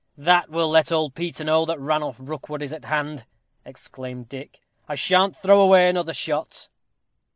"That will let Old Peter know that Ranulph Rookwood is at hand," exclaimed Dick. "I shan't throw away another shot."